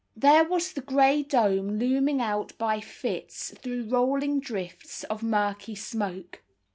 There was the grey dome looming out by fits through rolling drifts of murky smoke.